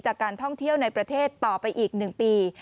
จากการท่องเที่ยวในประเทศต่อไปอีก๑ปี